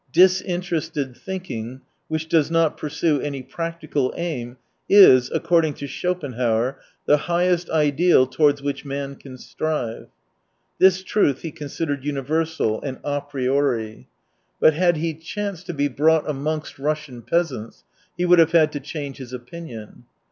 " Disin terested thinking," which does not pursue any practical aim, is, according to Schopen hauer, the highest ideal towards which man can strive. This truth he considered uni versal, an a priori. But had he chanced 109 to be brought amongst Russian peasants he would have had to change his opinion.